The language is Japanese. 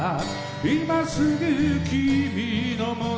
「今すぐ君のもとへ」